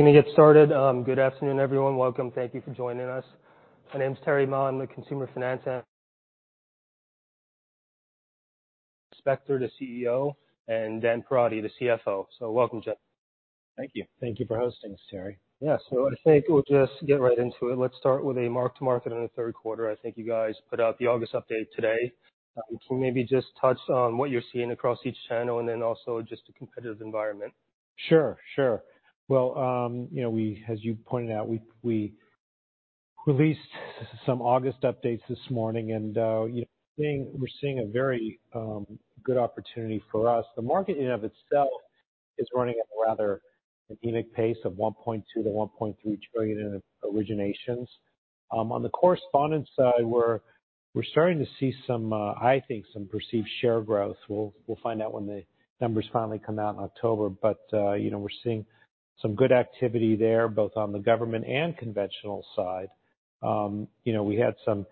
We’re going to get started. Good afternoon, everyone. Welcome. Thank you for joining us. My name is Terry Ma. I'm the Consumer Finance I’m joined by David Spector, the CEO, and Dan Perotti, the CFO. so welcome, gentlemen. Thank you. Thank you for hosting this, Terry. Yeah. So I think we'll just get right into it. Let's start with a mark-to-market in the third quarter. I think you guys put out the August update today. Can you maybe just touch on what you're seeing across each channel and then also just the competitive environment? Sure, sure. Well, you know, as you pointed out, we released some August updates this morning, and, you know, we're seeing a very good opportunity for us. The market in and of itself is running at a rather anemic pace of $1.2-$1.3 trillion in originations. On the correspondent side, we're starting to see some, I think some perceived share growth. We'll find out when the numbers finally come out in October. But, you know, we're seeing some good activity there, both on the government and conventional side. You know, we had some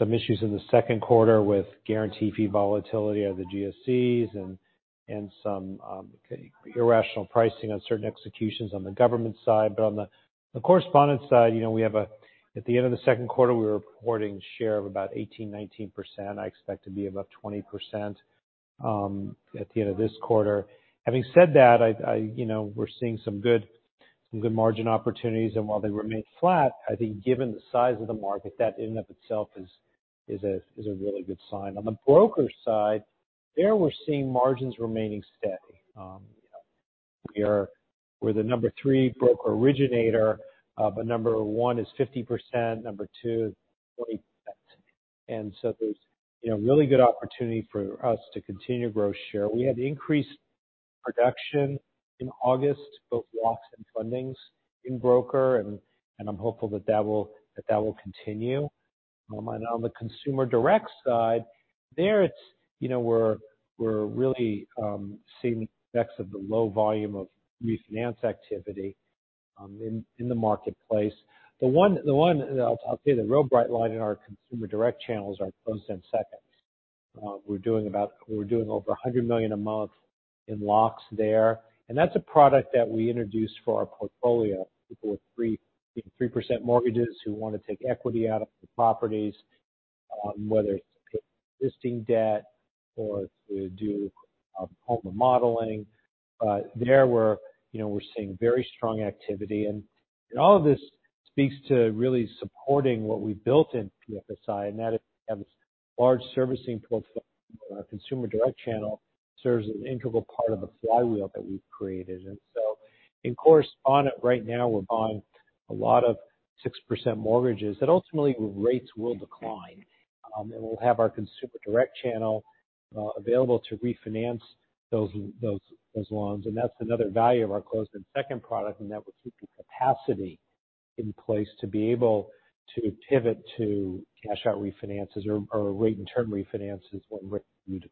issues in the second quarter with guarantee fee volatility of the GSEs and some irrational pricing on certain executions on the government side. But on the correspondent side, you know, we have at the end of the second quarter, we were reporting share of about 18%-19%. I expect to be about 20% at the end of this quarter. Having said that, I, you know, we're seeing some good margin opportunities, and while they remain flat, I think given the size of the market, that in and of itself is a really good sign. On the broker side, there we're seeing margins remaining steady. You know, we're the number three broker originator, but number one is 50%, and number two is 40%. And so there's, you know, really good opportunity for us to continue to grow share. We had increased production in August, both locks and fundings in broker, and I'm hopeful that that will continue. And on the consumer direct side, there it's... You know, we're really seeing the effects of the low volume of refinance activity in the marketplace. I'll say the real bright line in our consumer direct channels are closed-end seconds. We're doing over $100 million a month in locks there, and that's a product that we introduced for our portfolio. People with 3% mortgages who want to take equity out of the properties, whether it's to pay existing debt or to do home remodeling. There, you know, we're seeing very strong activity. And all of this speaks to really supporting what we've built in PFSI, and that is, we have this large servicing portfolio. Our consumer direct channel serves as an integral part of the flywheel that we've created. And so, of course, on it right now, we're buying a lot of 6% mortgages, but ultimately rates will decline, and we'll have our consumer direct channel available to refinance those loans. And that's another value of our closed-end second product, and that will keep the capacity in place to be able to pivot to cash-out refinances or rate and term refinances when rates do decline.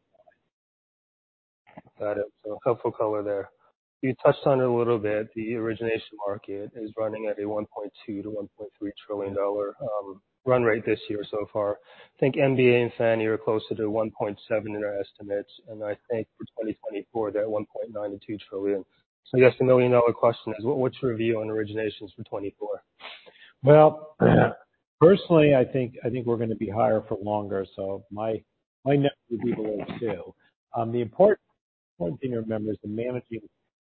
Got it. So helpful color there. You touched on it a little bit. The origination market is running at a $1.2–$1.3 trillion run rate this year so far. I think MBA and Fannie are closer to $1.7 trillion in our estimates, and I think for 2024, they're $1.92 trillion. So I guess the million-dollar question is: What's your view on originations for 2024? Well, personally, I think, I think we're going to be higher for longer, so my, my net would be below two. The important thing to remember is the managing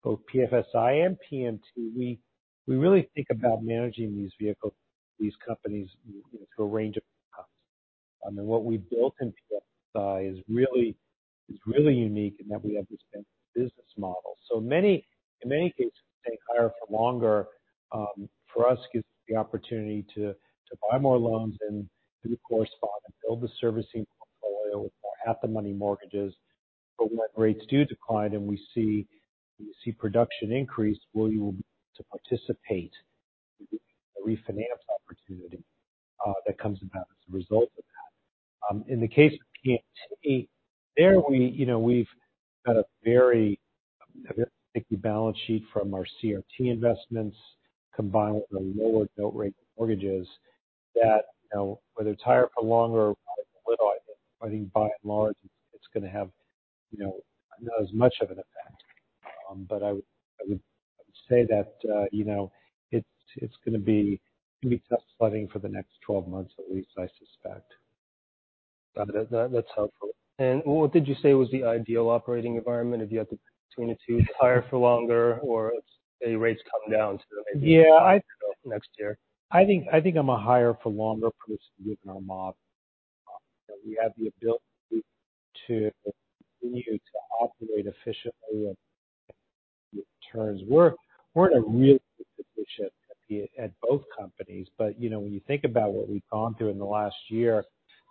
both PFSI and PMT, we, we really think about managing these vehicles, these companies, you know, to a range of costs. I mean, what we've built in PFSI is really, is really unique in that we have this business model. So many-- in many cases, staying higher for longer, for us, gives the opportunity to, to buy more loans and to correspond and build the servicing portfolio with more half the money mortgages. But when rates do decline and we see, we see production increase, well, you will be able to participate in the refinance opportunity, that comes about as a result of that. In the case of PMT, you know, we've got a very, very sticky balance sheet from our CRT investments, combined with the lower note-rate mortgages that, you know, whether it's higher for longer, I think by and large, it's going to have, you know, not as much of an effect. But I would, I would say that, you know, it's, it's going to be tough sledding for the next 12 months at least, I suspect. Got it. That's helpful. And what did you say was the ideal operating environment? If you had to pick between the two, higher for longer or it's a rates coming down to maybe- Yeah. -next year. I think, I think I'm a higher for longer person, given our moat. We have the ability to continue to operate efficiently with returns. We're, we're in a really good position at the, at both companies, but, you know, when you think about what we've gone through in the last year,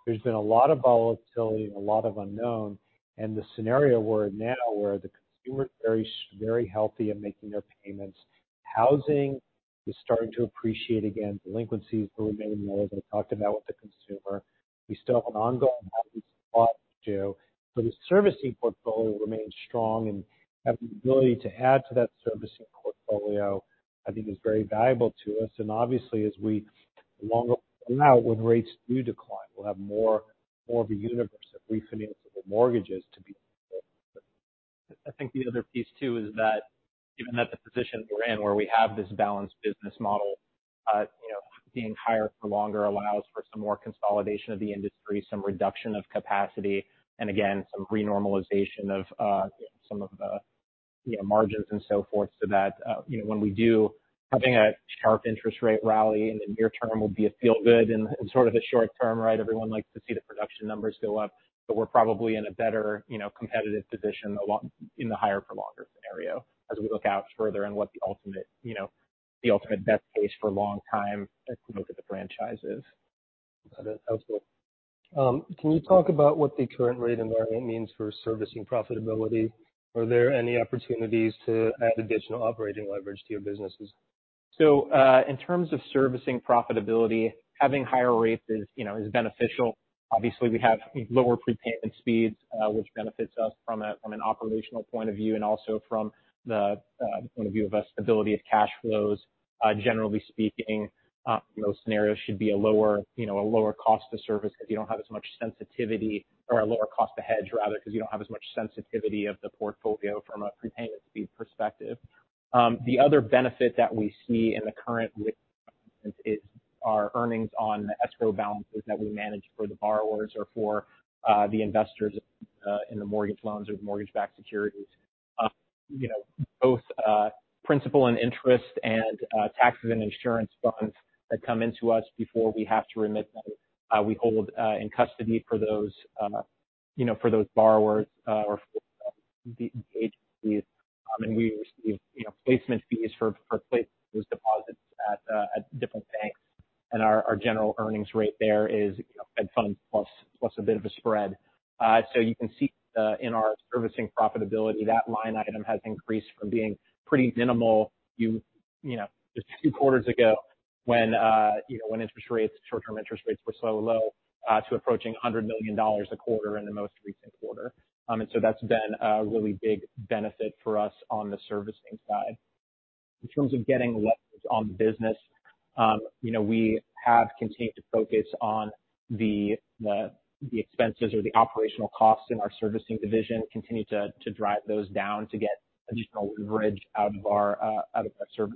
there's been a lot of volatility and a lot of unknown. The scenario we're in now, where the consumer is very healthy and making their payments, housing is starting to appreciate again, delinquencies are remaining low, as I talked about, with the consumer. We still have an ongoing response to, but the servicing portfolio remains strong, and have the ability to add to that servicing portfolio, I think is very valuable to us. And obviously, as we look longer out, when rates do decline, we'll have more, more of a universe of refinancable mortgages to be able to-... I think the other piece, too, is that given that the position we're in, where we have this balanced business model, you know, being higher for longer allows for some more consolidation of the industry, some reduction of capacity, and again, some renormalization of some of the, you know, margins and so forth. So that, you know, when we do having a sharp interest rate rally in the near term will be a feel good in, in sort of the short term, right? Everyone likes to see the production numbers go up, but we're probably in a better, you know, competitive position along in the higher for longer scenario as we look out further on what the ultimate, you know, the ultimate best case for a long time as we look at the franchises. Got it. Absolutely. Can you talk about what the current rate environment means for servicing profitability? Are there any opportunities to add additional operating leverage to your businesses? So, in terms of servicing profitability, having higher rates is, you know, is beneficial. Obviously, we have lower prepayment speeds, which benefits us from an operational point of view, and also from the point of view of a stability of cash flows. Generally speaking, you know, scenarios should be a lower, you know, a lower cost to service because you don't have as much sensitivity or a lower cost to hedge, rather, because you don't have as much sensitivity of the portfolio from a prepayment speed perspective. The other benefit that we see in the current rate environment is our earnings on the escrow balances that we manage for the borrowers or for the investors in the mortgage loans or the mortgage-backed securities. You know, both principal and interest and taxes and insurance funds that come into us before we have to remit them, we hold in custody for those, you know, for those borrowers or for the agencies. And we receive, you know, placement fees for placing those deposits at different banks. And our general earnings rate there is, you know, Fed funds plus a bit of a spread. So you can see in our servicing profitability, that line item has increased from being pretty minimal, you know, just two quarters ago when, you know, when interest rates, short-term interest rates were so low, to approaching $100 million a quarter in the most recent quarter. And so that's been a really big benefit for us on the servicing side. In terms of getting leverage on the business, you know, we have continued to focus on the expenses or the operational costs in our servicing division, continue to drive those down to get additional leverage out of our servicing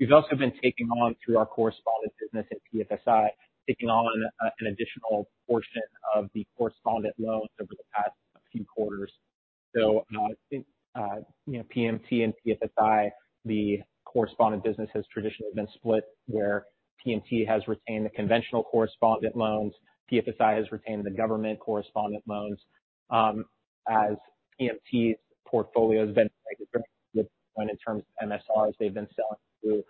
business. We've also been taking on through our correspondent business at PFSI, an additional portion of the correspondent loans over the past few quarters. So, you know, PMT and PFSI, the correspondent business has traditionally been split, where PMT has retained the conventional correspondent loans, PFSI has retained the government correspondent loans. As PMT's portfolio has been in terms of MSRs, they've been selling through,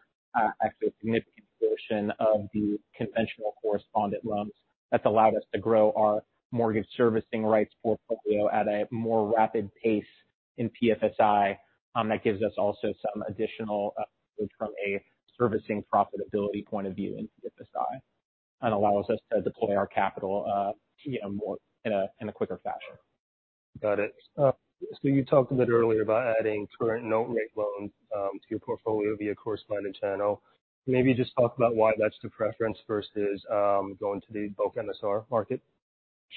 actually a significant portion of the conventional correspondent loans. That's allowed us to grow our mortgage servicing rights portfolio at a more rapid pace in PFSI. That gives us also some additional from a servicing profitability point of view in PFSI, and allows us to deploy our capital, you know, more in a quicker fashion. Got it. So you talked a bit earlier about adding current note rate loans to your portfolio via correspondent channel. Maybe just talk about why that's the preference versus going to the bulk MSR market.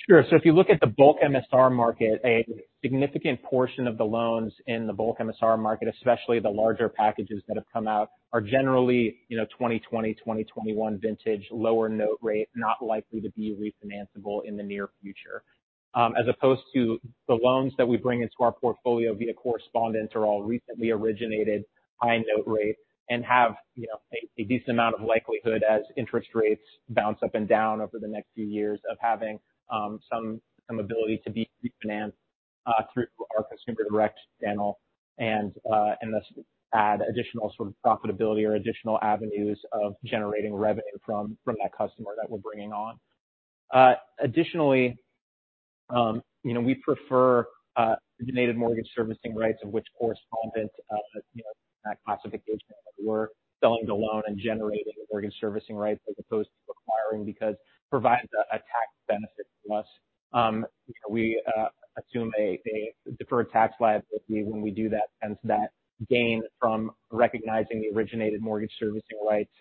Sure. So if you look at the bulk MSR market, a significant portion of the loans in the bulk MSR market, especially the larger packages that have come out, are generally, you know, 2020, 2021 vintage, lower note rate, not likely to be refinanceable in the near future. As opposed to the loans that we bring into our portfolio via correspondents are all recently originated, high note rate, and have, you know, a decent amount of likelihood as interest rates bounce up and down over the next few years of having some ability to be refinanced through our Consumer Direct channel, and thus add additional sort of profitability or additional avenues of generating revenue from that customer that we're bringing on. Additionally, you know, we prefer originated mortgage servicing rights, in which correspondent, you know, that classification, we're selling the loan and generating the mortgage servicing rights as opposed to acquiring, because provides a, a tax benefit to us. You know, we assume a, a deferred tax liability when we do that, hence that gain from recognizing the originated mortgage servicing rights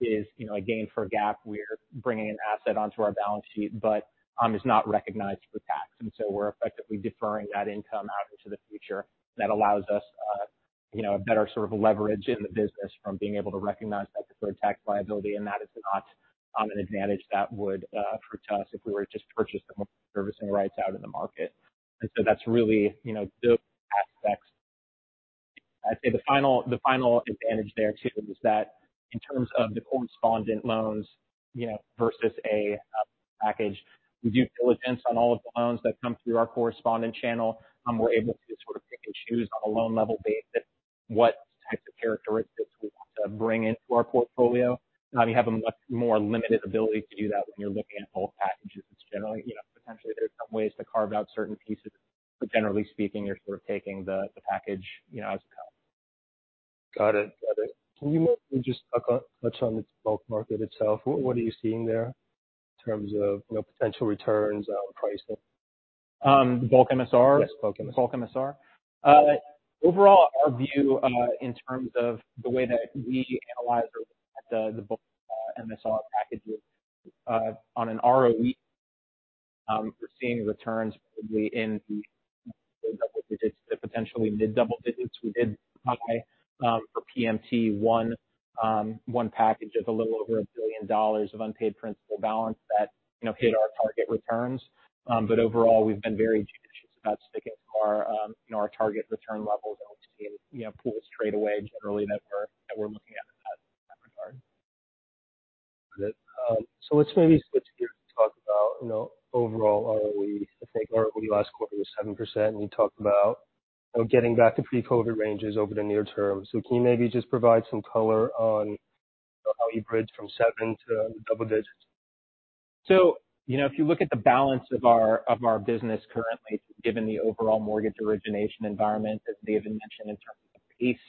is, you know, a gain for GAAP. We're bringing an asset onto our balance sheet, but, it's not recognized for tax, and so we're effectively deferring that income out into the future. That allows us, you know, a better sort of leverage in the business from being able to recognize that deferred tax liability, and that is not an advantage that would accrue to us if we were to just purchase the mortgage servicing rights out in the market. And so that's really, you know, the aspects. I'd say the final, the final advantage there, too, is that in terms of the correspondent loans, you know, versus a package, we do diligence on all of the loans that come through our correspondent channel. We're able to sort of pick and choose on a loan level basis what types of characteristics we want to bring into our portfolio. You have a much more limited ability to do that when you're looking at bulk packages. It's generally, you know, potentially there are some ways to carve out certain pieces, but generally speaking, you're sort of taking the package, you know, as it comes. Got it. Got it. Can you maybe just touch on the bulk market itself? What, what are you seeing there in terms of, you know, potential returns on pricing? Bulk MSR? Yes, Bulk MSR. Bulk MSR. Overall, our view in terms of the way that we analyze or look at the bulk MSR packages on an ROE, we're seeing returns probably in the double digits to potentially mid-double digits. We did buy for PMT one package of a little over $1 billion of unpaid principal balance that, you know, hit our target returns. But overall, we've been very judicious about sticking to our, you know, our target return levels and don't see any, you know, pull us straight away generally that we're, that we're looking at in that regard. Good. So let's maybe switch gears to talk about, you know, overall ROE. I think ROE last quarter was 7%, and you talked about, you know, getting back to pre-COVID ranges over the near term. So can you maybe just provide some color on how you bridge from seven to double digits? So, you know, if you look at the balance of our, of our business currently, given the overall mortgage origination environment, as David mentioned, in terms of the pace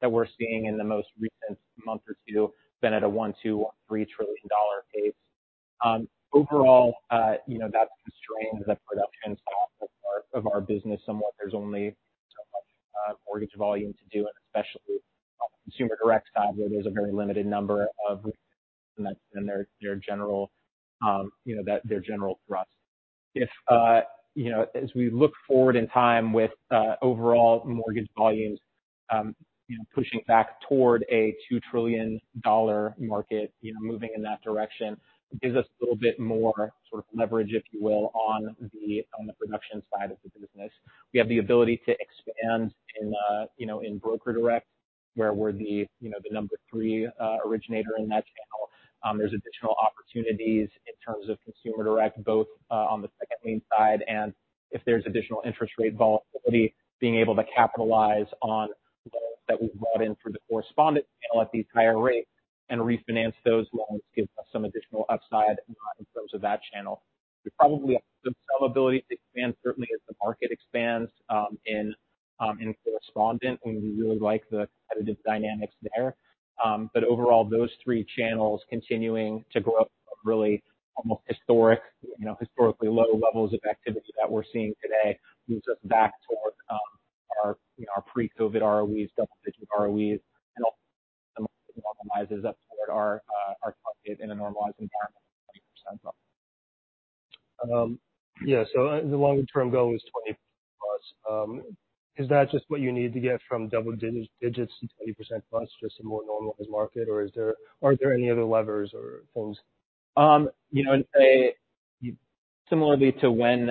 that we're seeing in the most recent month or 2, been at a $1-3 trillion pace. Overall, you know, that's constrained the production side of our, of our business somewhat. There's only so much mortgage volume to do, and especially consumer direct side, where there's a very limited number of and that's and their general, you know, their general thrust. If, you know, as we look forward in time with overall mortgage volumes, you know, pushing back toward a $2 trillion market, you know, moving in that direction, gives us a little bit more sort of leverage, if you will, on the production side of the business. We have the ability to expand in, you know, in Broker Direct, where we're the, you know, the number 3 originator in that channel. There's additional opportunities in terms of Consumer Direct, both on the second lien side and if there's additional interest rate volatility, being able to capitalize on loans that we've brought in through the correspondent channel at these higher rates and refinance those loans gives us some additional upside in terms of that channel. We probably have some ability to expand, certainly as the market expands, in correspondent, and we really like the competitive dynamics there. But overall, those three channels continuing to grow up really almost historic, you know, historically low levels of activity that we're seeing today, moves us back towards, our, you know, our pre-COVID ROEs, double-digit ROEs, and also normalizes us toward our, our target in a normalized environment of 20%. Yeah. So the longer-term goal is 20+. Is that just what you need to get from double digits to 20%+, just a more normalized market, or are there any other levers or things? You know, I'd say similarly to when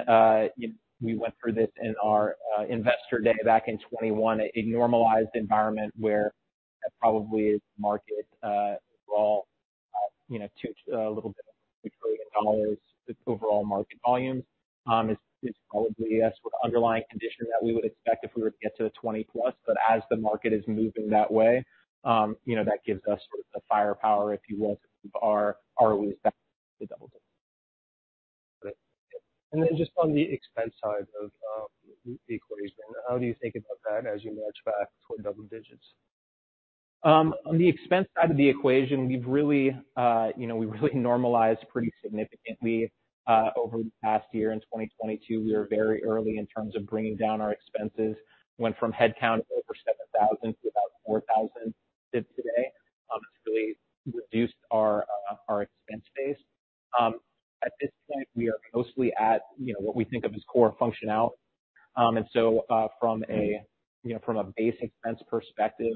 we went through this in our investor day back in 2021, a normalized environment where probably market overall, you know, $2.2 trillion of overall market volumes is probably a sort of underlying condition that we would expect if we were to get to the 20 plus. But as the market is moving that way, you know, that gives us the firepower, if you will, to move our ROEs back to double digits. And then just on the expense side of the equation, how do you think about that as you march back toward double digits? On the expense side of the equation, we've really, you know, we really normalized pretty significantly over the past year. In 2022, we are very early in terms of bringing down our expenses. Went from headcount of over 7,000 to about 4,000 today. It's really reduced our our expense base. At this point, we are mostly at, you know, what we think of as core function out. And so, from a, you know, from a base expense perspective,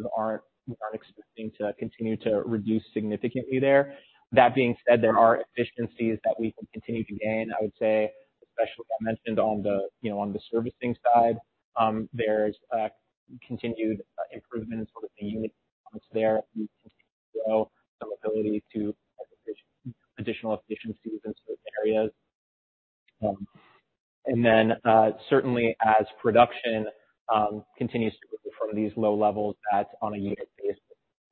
we aren't expecting to continue to reduce significantly there. That being said, there are efficiencies that we can continue to gain. I would say, especially I mentioned on the, you know, on the servicing side, there's continued improvement in sort of the unit costs there. We continue to grow some ability to additional efficiencies into those areas. And then, certainly as production continues to from these low levels, that's on a unit basis.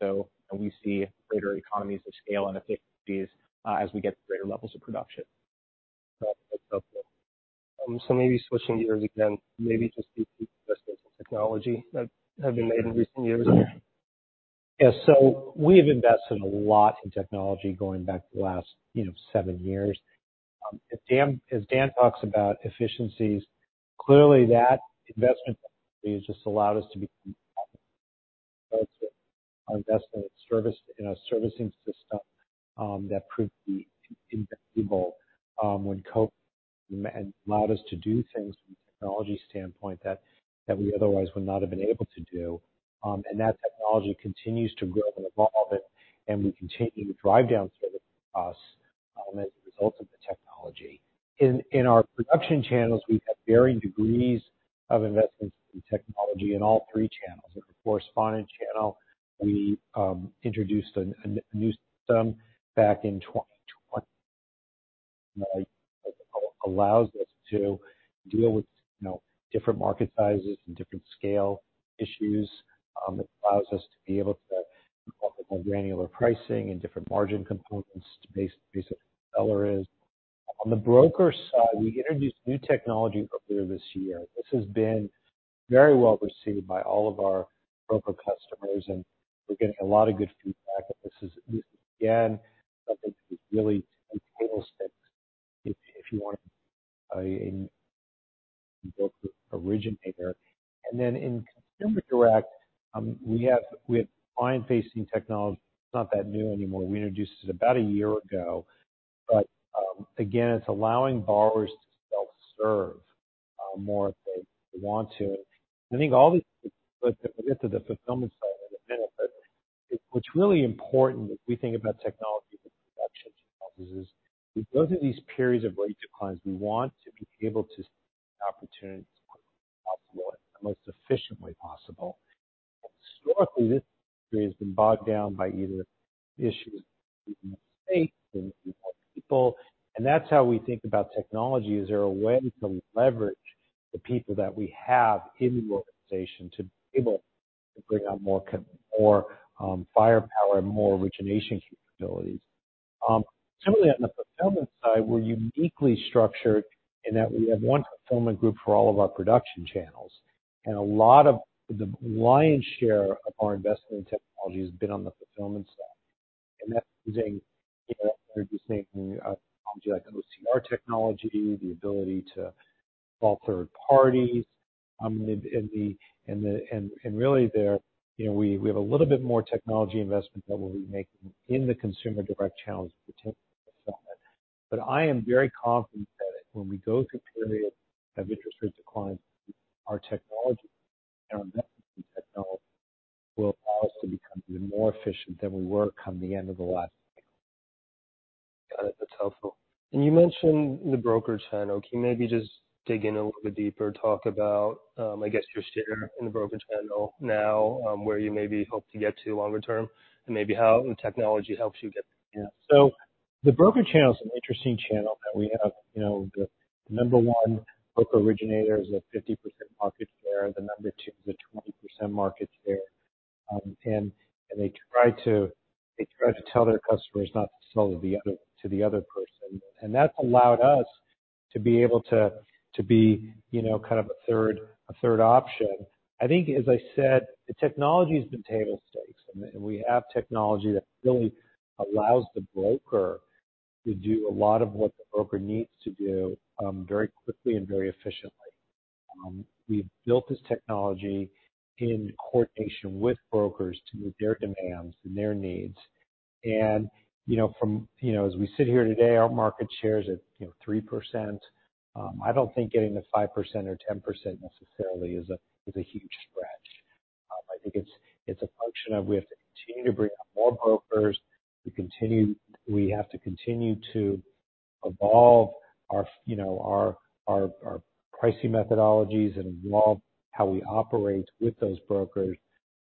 So we see greater economies of scale and efficiencies as we get to greater levels of production. Maybe switching gears again, maybe just the investments in technology that have been made in recent years. Yeah. So we've invested a lot in technology going back to the last, you know, 7 years. If Dan—as Dan talks about efficiencies, clearly that investment has just allowed us to be our investment in service, in our servicing system, that proved to be invincible when COVID—allowed us to do things from a technology standpoint that we otherwise would not have been able to do. And that technology continues to grow and evolve, and we continue to drive down certain costs as a result of the technology. In our production channels, we've had varying degrees of investments in technology in all three channels. In the correspondent channel, we introduced a new system back in 2020. Allows us to deal with, you know, different market sizes and different scale issues. It allows us to be able to more granular pricing and different margin components based on where the seller is. On the Broker side, we introduced new technology earlier this year. This has been very well received by all of our broker customers, and we're getting a lot of good feedback. And this is, again, something that was really tailored to the originator. And then in Consumer Direct, we have client-facing technology. It's not that new anymore. We introduced it about a year ago, but, again, it's allowing borrowers to self-serve more if they want to. But get to the fulfillment side in a minute. But what's really important, as we think about technology, production technologies, is we go through these periods of rate declines. We want to be able to opportunities as possible, the most efficiently possible. Historically, this has been bogged down by either issues state and people, and that's how we think about technology. Is there a way to leverage the people that we have in the organization to be able to bring out more firepower and more origination capabilities? Similarly, on the fulfillment side, we're uniquely structured in that we have one fulfillment group for all of our production channels, and a lot of the lion's share of our investment in technology has been on the fulfillment side. And that's using, you know, introducing new technology like OCR technology, the ability to involve third parties in the. And really there, you know, we have a little bit more technology investment that we'll be making in the consumer direct channels fulfillment. I am very confident that when we go through periods of interest rate declines, our technology and our investment in technology will allow us to become even more efficient than we were coming the end of the last year. Got it. That's helpful. You mentioned the broker channel. Can you maybe just dig in a little bit deeper, talk about, I guess, your share in the broker channel now, where you maybe hope to get to longer term, and maybe how technology helps you get there? Yeah. So the broker channel is an interesting channel that we have. You know, the number one broker originator is a 50% market share, the number two is a 20% market share. And they try to tell their customers not to sell to the other person. And that's allowed us to be able to be, you know, kind of a third option. I think, as I said, the technology has been table stakes, and we have technology that really allows the broker to do a lot of what the broker needs to do, very quickly and very efficiently. We've built this technology in coordination with brokers to meet their demands and their needs. And, you know, from, you know, as we sit here today, our market share is at, you know, 3%. I don't think getting to 5% or 10% necessarily is a huge stretch. I think it's a function of we have to continue to bring on more brokers. We have to continue to evolve our, you know, our pricing methodologies and evolve how we operate with those brokers.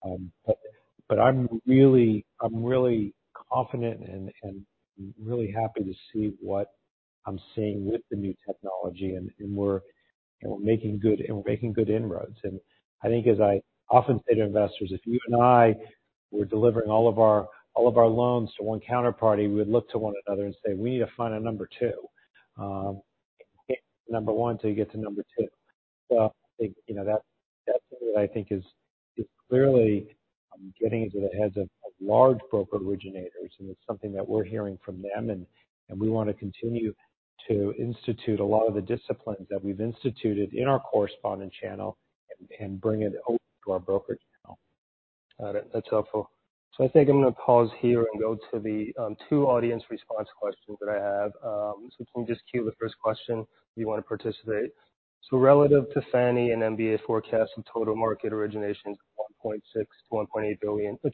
But I'm really confident and really happy to see what I'm seeing with the new technology, and we're making good inroads. And I think, as I often say to investors, if you and I were delivering all of our, all of our loans to one counterparty, we would look to one another and say, We need to find a number two and number one, till you get to number two. So I think, you know, that I think is clearly getting into the heads of large broker originators, and it's something that we're hearing from them, and we want to continue to institute a lot of the disciplines that we've instituted in our correspondent channel and bring it over to our broker channel. Got it. That's helpful. So I think I'm going to pause here and go to the two audience response questions that I have. So if you can just queue the first question, if you want to participate. So relative to Fannie and MBA forecasts and total market originations, $1.6-$1.8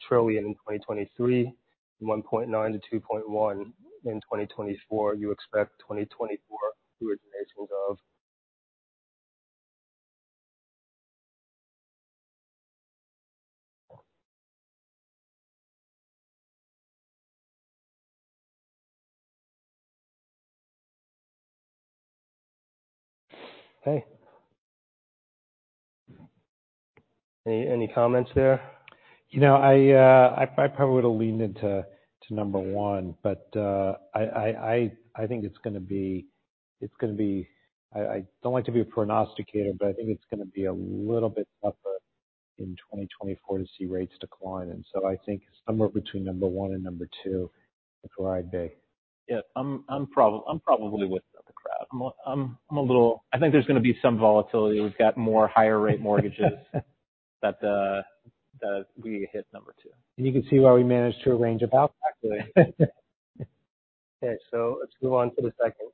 trillion in 2023, and $1.9-$2.1 trillion in 2024. You expect 2024 originations of? Hey. Any comments there? You know, I think it's gonna be, it's gonna be... I don't like to be a prognosticator, but I think it's gonna be a little bit tougher in 2024 to see rates decline. And so I think somewhere between number one and number two, that's where I'd be. Yeah, I'm probably with the crowd. I'm a little—I think there's going to be some volatility. We've got more higher rate mortgages—that, that we hit number two. You can see why we managed to arrange a ballot, actually. Okay, so let's move on to the second.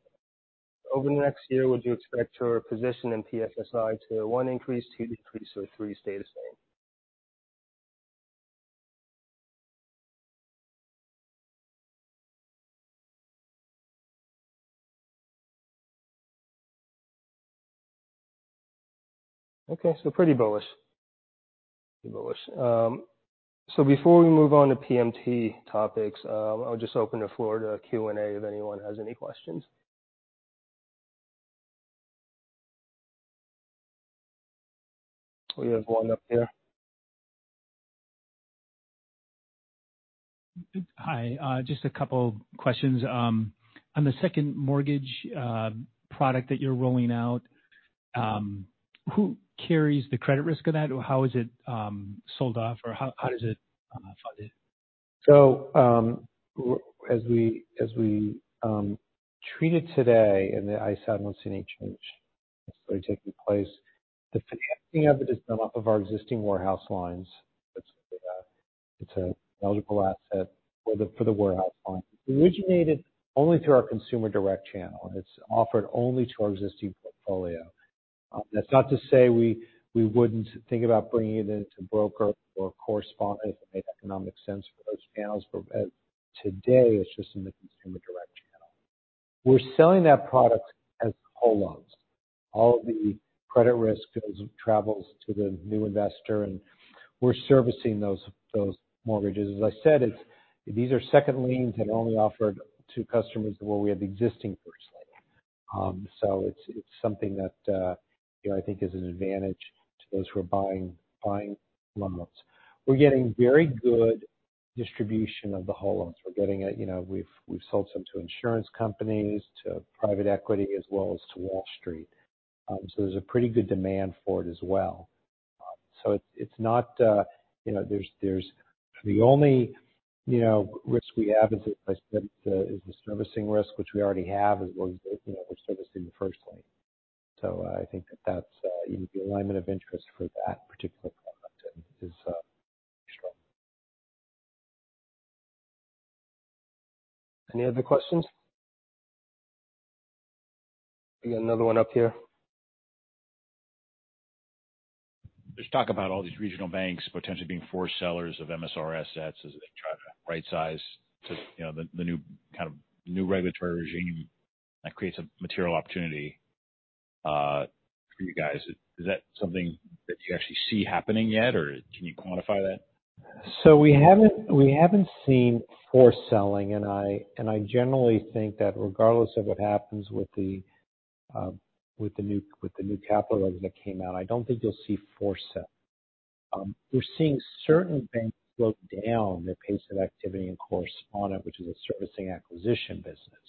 Over the next year, would you expect your position in PFSI to, one, increase, two, decrease, or three, stay the same? Okay, so pretty bullish. Pretty bullish. So before we move on to PMT topics, I'll just open the floor to Q&A if anyone has any questions. We have one up here. Hi, just a couple questions. On the second mortgage product that you're rolling out, who carries the credit risk of that, or how is it sold off, or how is it funded?... So, as we treat it today, and I said we've seen a change that's really taking place, the financing of the development of our existing warehouse lines, it's an eligible asset for the warehouse line. It originated only through our consumer direct channel. It's offered only to our existing portfolio. That's not to say we wouldn't think about bringing it into broker or correspondent, if it made economic sense for those channels. But today, it's just in the consumer direct channel. We're selling that product as whole loans. All of the credit risk goes, travels to the new investor, and we're servicing those mortgages. As I said, it's these are second liens that are only offered to customers where we have the existing first lien. So it's something that, you know, I think is an advantage to those who are buying home loans. We're getting very good distribution of the whole loans. We're getting it, you know, we've sold some to insurance companies, to private equity, as well as to Wall Street. So there's a pretty good demand for it as well. So it's not, you know, there's the only risk we have is, as I said, is the servicing risk, which we already have, as well as, you know, we're servicing the first lien. So I think that's the alignment of interest for that particular product and is strong. Any other questions? We got another one up here. There's talk about all these regional banks potentially being forced sellers of MSR assets as they try to rightsize to, you know, the new kind of new regulatory regime. That creates a material opportunity for you guys. Is that something that you actually see happening yet, or can you quantify that? So we haven't seen forced selling, and I generally think that regardless of what happens with the new capital regulator that came out, I don't think you'll see forced selling. We're seeing certain banks slow down their pace of activity and correspondent, which is a servicing acquisition business.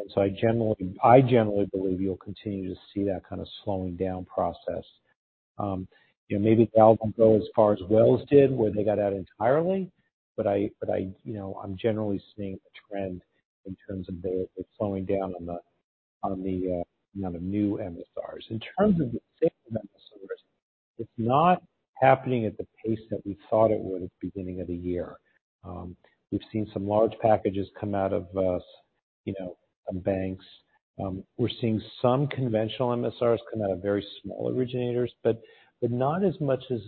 And so I generally believe you'll continue to see that kind of slowing down process. You know, maybe they'll go as far as Wells did, where they got out entirely. But I, you know, I'm generally seeing a trend in terms of the slowing down on the new MSRs. In terms of the bulk MSRs, it's not happening at the pace that we thought it would at the beginning of the year. We've seen some large packages come out of, you know, some banks. We're seeing some conventional MSRs come out of very small originators, but not as much as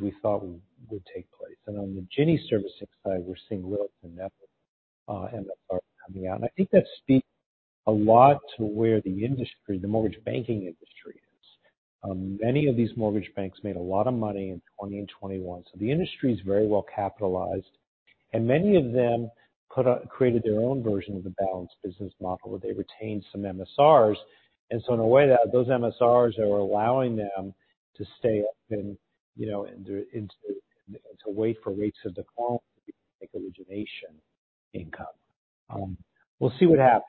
we thought would take place. And on the Ginnie servicing side, we're seeing little to nothing, MSR coming out. And I think that speaks a lot to where the industry, the mortgage banking industry is. Many of these mortgage banks made a lot of money in 2020 and 2021, so the industry is very well capitalized, and many of them created their own version of the balanced business model, where they retained some MSRs. And so in a way, those MSRs are allowing them to stay up and, you know, to wait for rates to decline, make origination income. We'll see what happens.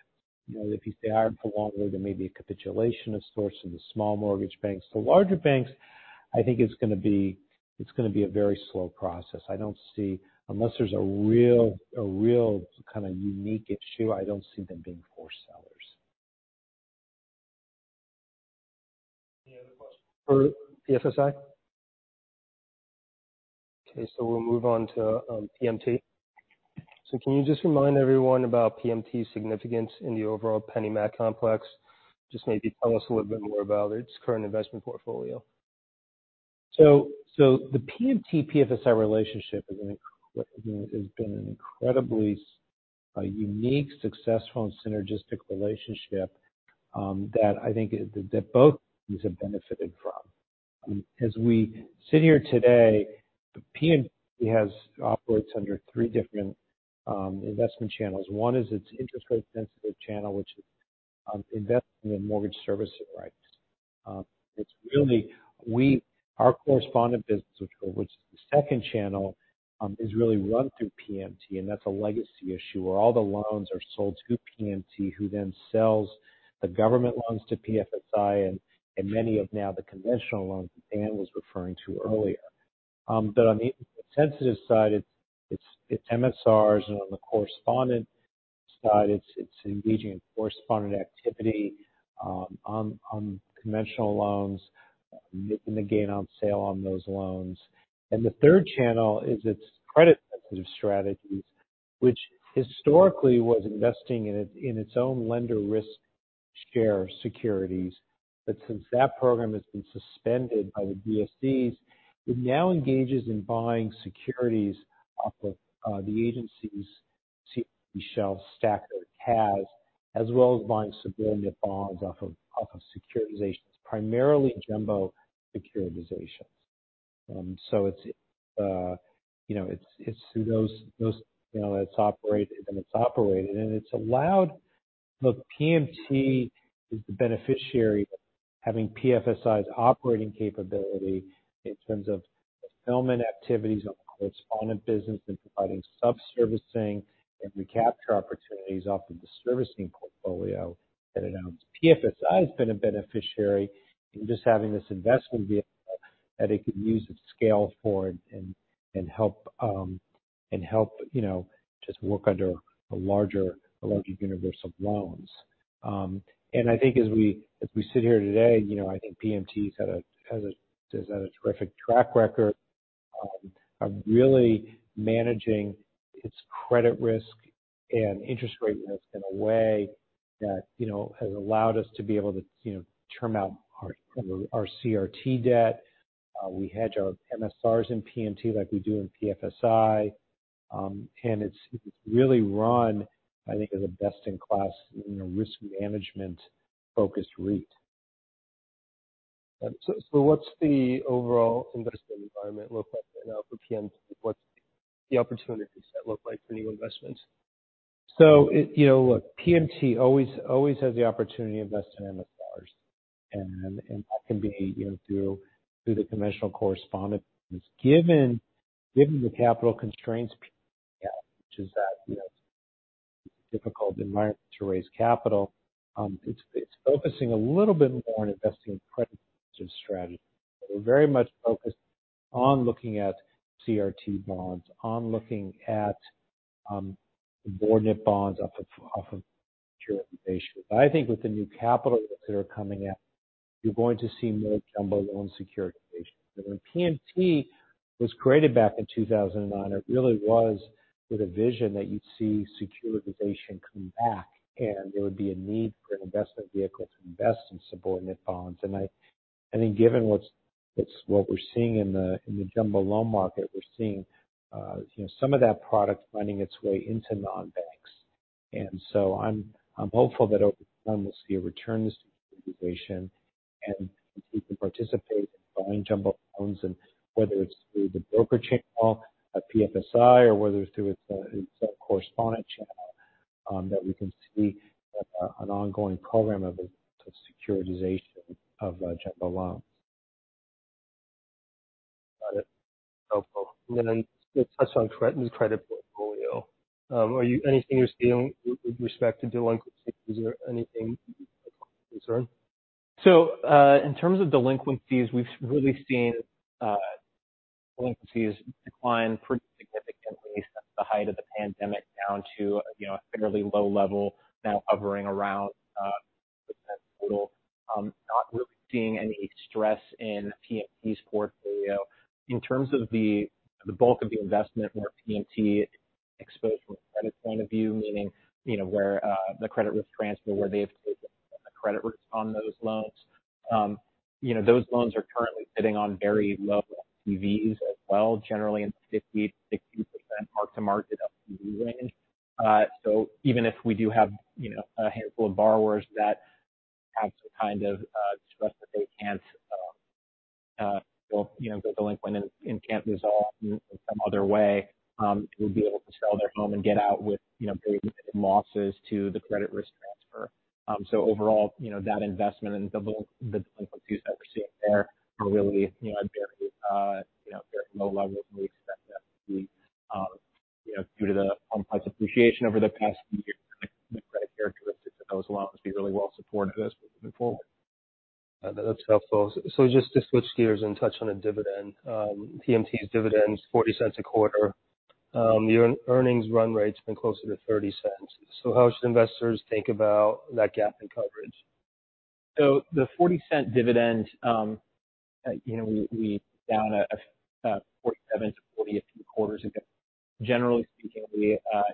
You know, if you stay higher for longer, there may be a capitulation of sorts in the small mortgage banks. The larger banks, I think it's going to be a very slow process. I don't see, unless there's a real kind of unique issue, I don't see them being forced sellers. Any other questions for PFSI? Okay, so we'll move on to PMT. So can you just remind everyone about PMT's significance in the overall PennyMac complex? Just maybe tell us a little bit more about its current investment portfolio. So the PMT-PFSI relationship is an—you know, has been an incredibly unique, successful, and synergistic relationship that I think that both these have benefited from. As we sit here today, PMT operates under three different investment channels. One is its interest rate-sensitive channel, which invests in mortgage servicing rights. It's really our correspondent business, which is the second channel, is really run through PMT, and that's a legacy issue, where all the loans are sold to PMT, who then sells the government loans to PFSI and many of now the conventional loans that Dan was referring to earlier. But on the sensitive side, it's MSRs, and on the correspondent side, it's engaging in correspondent activity on conventional loans and the gain on sale on those loans. The third channel is its credit-sensitive strategies, which historically was investing in its own lender risk share securities. But since that program has been suspended by the GSEs, it now engages in buying securities off of the agencies' shelf STACR or CAS, as well as buying subordinate bonds off of securitizations, primarily jumbo securitizations. So it's, you know, through those, you know, it's operated, and it's allowed the PMT is the beneficiary of having PFSI's operating capability in terms of fulfillment activities on the correspondent business and providing sub-servicing and recapture opportunities off of the servicing portfolio that it owns. PFSI has been a beneficiary in just having this investment vehicle that it could use its scale for and help, you know, just work under a larger universe of loans. And I think as we sit here today, you know, I think PMT has had a terrific track record of really managing its credit risk and interest rate risk in a way that, you know, has allowed us to be able to, you know, term out our CRT debt. We hedge our MSRs in PMT like we do in PFSI. And it's really run, I think, as a best-in-class, you know, risk management-focused REIT. So, what's the overall investment environment look like right now for PMT? What's the opportunities that look like for new investments? So it, you know, look, PMT always, always has the opportunity to invest in MSRs, and, and that can be, you know, through, through the conventional correspondent. Given, given the capital constraints, which is that, you know, difficult environment to raise capital, it's, it's focusing a little bit more on investing in credit strategies. We're very much focused on looking at CRT bonds, on looking at, subordinate bonds off of, off of securitization. But I think with the new capital that are coming in, you're going to see more jumbo loan securitization. When PMT was created back in 2009, it really was with a vision that you'd see securitization come back, and there would be a need for an investment vehicle to invest in subordinate bonds. I think given what we're seeing in the jumbo loan market, we're seeing you know some of that product finding its way into non-banks. So I'm hopeful that over time, we'll see a return to securitization, and we can participate in buying jumbo loans, and whether it's through the broker channel at PFSI or whether it's through its own correspondent channel, that we can see an ongoing program of securitization of jumbo loans. Got it. Helpful. And then touch on the credit portfolio. Are you seeing anything with respect to delinquencies or anything concerning? So, in terms of delinquencies, we've really seen, delinquencies decline pretty significantly since the height of the pandemic down to, you know, a fairly low level, now hovering around, % total. Not really seeing any stress in PMT's portfolio. In terms of the bulk of the investment where PMT exposed from a credit point of view, meaning, you know, where, the credit risk transfer, where they've taken the credit risk on those loans. You know, those loans are currently sitting on very low LTVs as well, generally in 50%-60% mark-to-market LTV range. So even if we do have, you know, a handful of borrowers that have some kind of stress that they can't, you know, they're delinquent and can't resolve in some other way, they would be able to sell their home and get out with, you know, limited losses to the credit risk transfer. So overall, you know, that investment and the delinquencies that we're seeing there are really, you know, at very, you know, very low levels, and we expect that to be, you know, due to the home price appreciation over the past few years, the credit characteristics of those loans be really well supported as we move forward. That's helpful. So just to switch gears and touch on the dividend. PMT's dividend is $0.40 a quarter. Your earnings run rate's been closer to $0.30. So how should investors think about that gap in coverage? So the $0.40 dividend, you know, we, we down $0.47 to $0.40 a few quarters ago. Generally speaking, we, our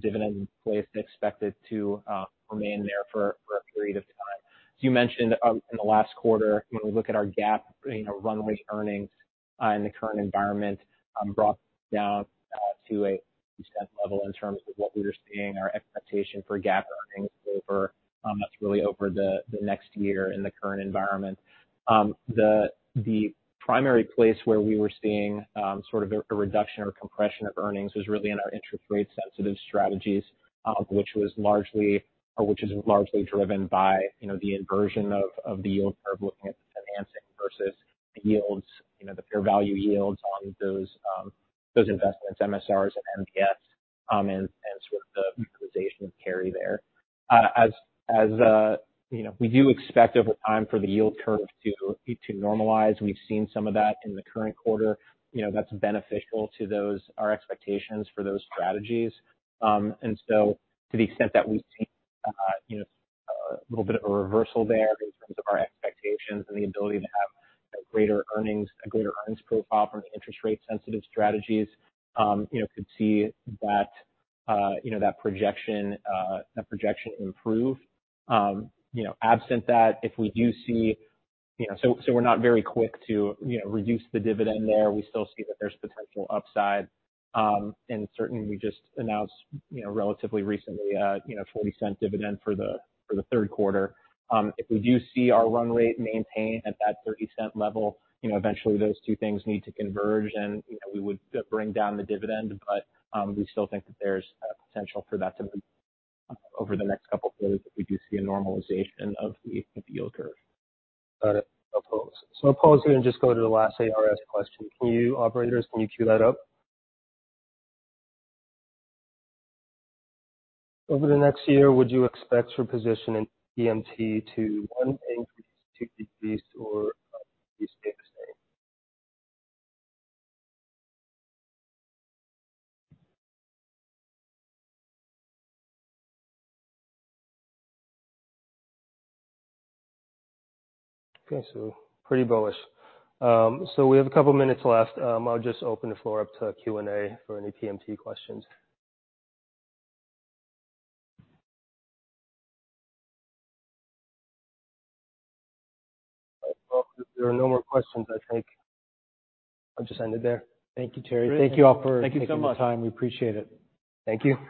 dividend in place is expected to remain there for, for a period of time. As you mentioned, in the last quarter, when we look at our GAAP and our run rate earnings, in the current environment, brought down to a $0.30 level in terms of what we were seeing, our expectation for GAAP earnings over, that's really over the, the next year in the current environment. The primary place where we were seeing sort of a reduction or compression of earnings was really in our interest rate sensitive strategies, which was largely, or which is largely driven by, you know, the inversion of the yield curve, looking at financing versus the yields, you know, the fair value yields on those investments, MSRs and MBS, and sort of the capitalization carry there. As you know, we do expect over time for the yield curve to normalize. We've seen some of that in the current quarter. You know, that's beneficial to those, our expectations for those strategies. And so to the extent that we've seen, you know, a little bit of a reversal there in terms of our expectations and the ability to have a greater earnings, a greater earnings profile from the interest rate-sensitive strategies, you know, could see that, you know, that projection, that projection improve. You know, absent that, if we do see... You know, so we're not very quick to, you know, reduce the dividend there. We still see that there's potential upside. And certainly, we just announced, you know, relatively recently, you know, $0.40 dividend for the third quarter. If we do see our run rate maintained at that $0.30 level, you know, eventually those two things need to converge, and, you know, we would bring down the dividend. But, we still think that there's a potential for that to, over the next couple of quarters, that we do see a normalization of the yield curve. Got it. I'll pause. So I'll pause there and just go to the last ARS question. Can you, operators, can you queue that up? Over the next year, would you expect your position in PMT to, one, increase, to decrease, or stay the same? Okay, so pretty bullish. I'll just open the floor up to Q&A for any PMT questions. Well, there are no more questions. I think I'll just end it there. Thank you, Terry. Thank you so much. Thank you all for taking the time. We appreciate it. Thank you.